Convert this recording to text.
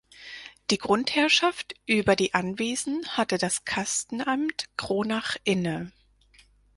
Die Grundherrschaft über die Anwesen hatte das Kastenamt Kronach inne.